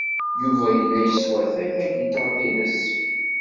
Yuba yella yeswatay tagiṭart-nnes.